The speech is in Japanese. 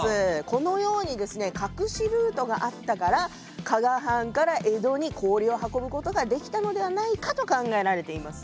このようにですね隠しルートがあったから加賀藩から江戸に氷を運ぶことができたのではないかと考えられています。